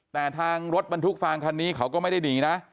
แต่ทางรถบรรทุกฟางคันนี้เขาก็ไม่ได้หนีนะ